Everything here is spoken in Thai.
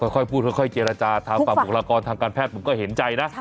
ค่อยพูดค่อยเจรจาทางฝั่งบุคลากรทางการแพทย์ผมก็เห็นใจนะ